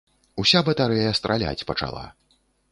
Уся батарэя страляць пачала.